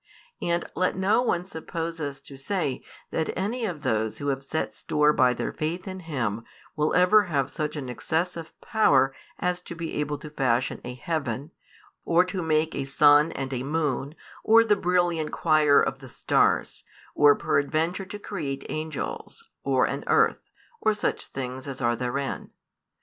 And let none suppose us to say that any of those who have set store by their faith in Him will ever have such excess of power as to be able to fashion a heaven, or to make a sun and a moon, or the brilliant choir of the stars, or peradventure to create angels, or an earth, or such things as are therein.